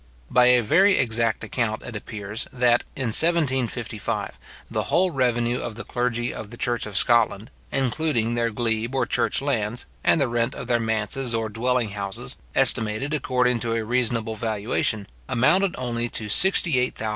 By a very exact account it appears, that, in 1755, the whole revenue of the clergy of the church of Scotland, including their glebe or church lands, and the rent of their manses or dwelling houses, estimated according to a reasonable valuation, amounted only to £68,514:1:5 1/12d.